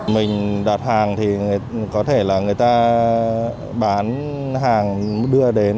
mình đặt hàng thì có thể là người ta bán hàng đưa đến